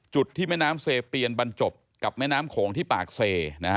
จุดที่แม่น้ำเซเปียนบรรจบกับแม่น้ำโขงที่ปากเซ